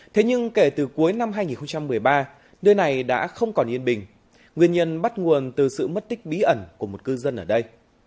thế nhưng kể từ cuối năm hai nghìn một mươi ba nơi này đã không còn yên bình nguyên nhân bắt nguồn từ sự mất tích bí ẩn của một cư dân ở đây